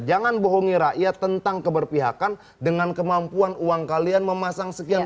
jangan bohongi rakyat tentang keberpihakan dengan kemampuan uang kalian memasang sekian